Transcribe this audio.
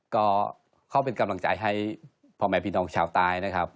ก็เข้าเป็นกำลังใจให้พ่อแม่พี่น้องชาวใต้นะครับ